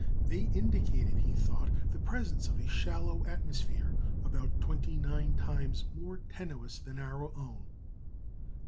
They indicated, he thought, the presence of a shallow atmosphere, about 29 times more tenuous than our own.